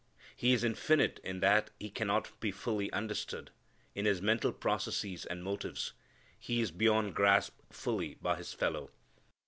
He is infinite in that he cannot be fully understood in his mental processes and motives. He is beyond grasp fully by his fellow.